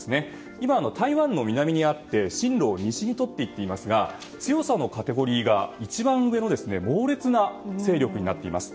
今、台湾の南にあって進路を西にとっていっていますが強さのカテゴリーが、一番上の猛烈な勢力になっています。